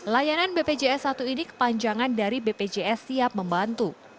layanan bpjs satu ini kepanjangan dari bpjs siap membantu